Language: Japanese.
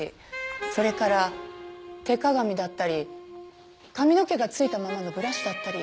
それから手鏡だったり髪の毛がついたままのブラシだったり。